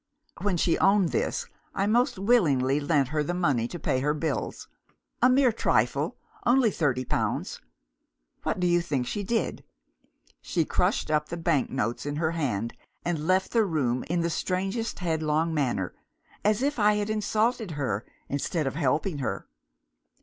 When she owned this, I most willingly lent her the money to pay her bills a mere trifle, only thirty pounds. What do you think she did? She crushed up the bank notes in her hand, and left the room in the strangest headlong manner as if I had insulted her instead of helping her!